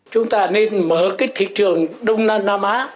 chúng ta nên mở cái thị trường đông nam á